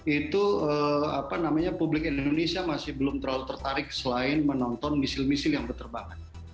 itu apa namanya publik indonesia masih belum terlalu tertarik selain menonton misil misil yang berterbangan